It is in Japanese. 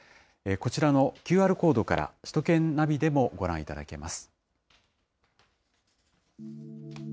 こちらのＱＲコードから、首都圏ナビでもご覧いただけます。